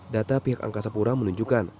data pihak angkasa pura menunjukkan